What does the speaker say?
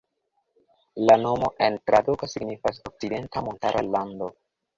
La nomo en traduko signifas "Okcidenta Montara Lando".